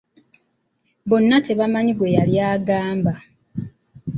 Bonna tebamanyi gwe yali agamba.